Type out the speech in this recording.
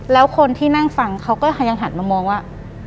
แล้วคนที่นั่งฟังเขาก็ยังหันมามองว่า